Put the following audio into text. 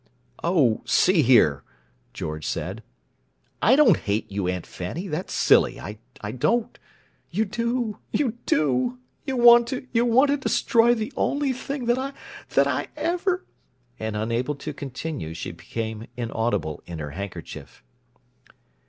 "Oh, see here," George said. "I don't hate you," Aunt Fanny. "That's silly. I don't—" "You do! You do! You want to—you want to destroy the only thing—that I—that I ever—" And, unable to continue, she became inaudible in her handkerchief.